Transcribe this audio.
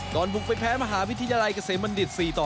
ก่อนบุกไปแพ้มหาวิทยาลัยเกษมบัณฑิต๔ต่อ